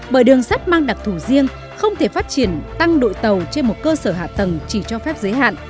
bởi đường sắt mang đặc thù riêng không thể phát triển tăng đội tàu trên một cơ sở hạ tầng chỉ cho phép giới hạn